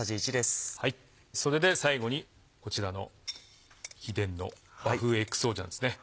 それで最後にこちらの秘伝の和風ＸＯ醤ですね。